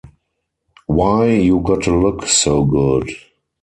Why You Gotta Look So Good?